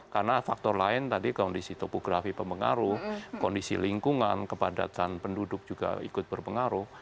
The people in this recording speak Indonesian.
karena faktor lain tadi kondisi topografi pemengaruh kondisi lingkungan kepadatan penduduk juga ikut berpengaruh